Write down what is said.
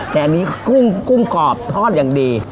แต่อันนี้กุ้งกรอบทอดอย่างดี